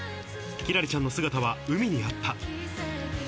輝星ちゃんの姿は海にあった。